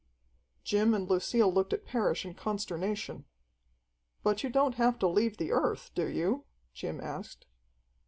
Jim and Lucille looked at Parrish in consternation. "But you don't have to leave the Earth, do you?" Jim asked.